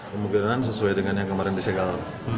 kemungkinan sesuai dengan yang kemarin di segel